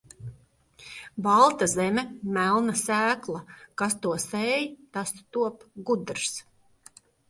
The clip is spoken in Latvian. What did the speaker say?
Balta zeme, melna sēkla, kas to sēj, tas top gudrs.